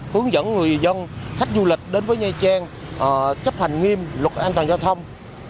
hướng dẫn người dân khách du lịch đến với nha trang chấp hành nghiêm luật an toàn giao thông